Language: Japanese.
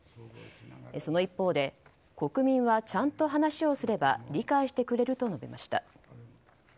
その一方で国民はちゃんと話をすれば理解してくれると述べました。